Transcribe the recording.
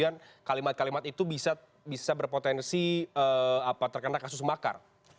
kemudian kalimat kalimat itu bisa berpotensi terkena kasus makar